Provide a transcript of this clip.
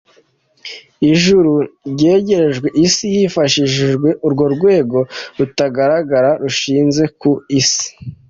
Ijuru ryegerejwe isi hifashishijwe urwo rwego rutagaragara rushinze ku isi